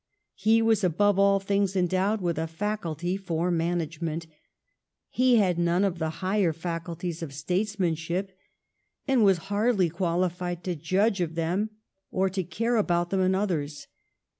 He was above all things endowed with a faculty for management ; he had none of the higher faculties of statesman ship, and was hardly qualified to judge of them or to care about them in others.